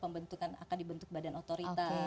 pembentukan akan dibentuk badan otorita